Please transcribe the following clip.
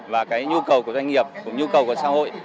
và nhu cầu của doanh nghiệp nhu cầu của xã hội